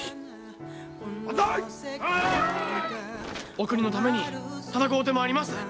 お国のために戦うてまいります！